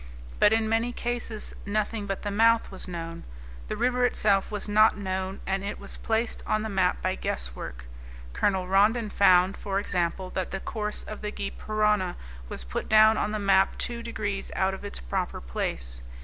But in many cases nothing but the mouth was known. The river itself was not known, and it was placed on the map by guesswork. Colonel Rondon found, for example, that the course of the Gy Parana was put down on the map two degrees out of its proper place.